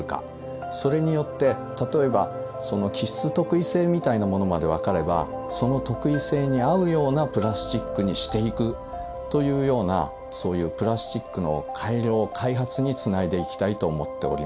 それによって例えばその基質特異性みたいなものまで分かればその特異性に合うようなプラスチックにしていくというようなそういうプラスチックの改良・開発につないでいきたいと思っております。